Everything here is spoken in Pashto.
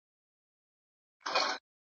وارث غولکه له کوټې راوړې ده.